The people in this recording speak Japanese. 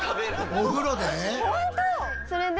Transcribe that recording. お風呂で？